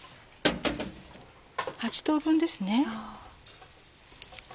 ８等分です。